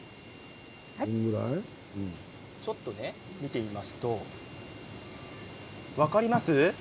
ちょっと見てみますと分かりますか？